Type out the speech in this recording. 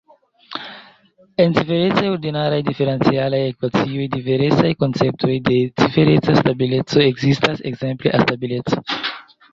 En ciferecaj ordinaraj diferencialaj ekvacioj, diversaj konceptoj de cifereca stabileco ekzistas, ekzemple A-stabileco.